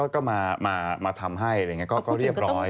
ก็มาทำให้อะไรอย่างนี้ก็เรียบร้อย